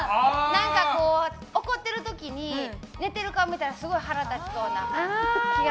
怒っている時に寝ている顔見たらすごい腹立ちそうな気が。